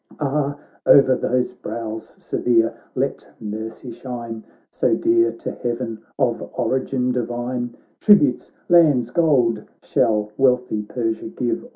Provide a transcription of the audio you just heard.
Ah, o'er those brows severe let mercy shine, So dear, to heaven, of origin divine I Tributes, lands, gold, shall wealthy Persia give.